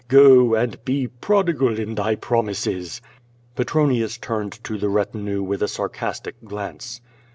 Go, and be prodigal in thy promises." Petronius turned to the retinue with a sarcastic glance.